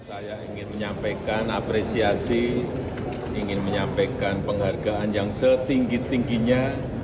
saya ingin menyampaikan apresiasi ingin menyampaikan penghargaan yang setinggi tingginya